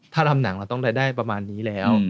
ถ้าทำหนังเราต้องรายได้ประมาณนี้แล้ว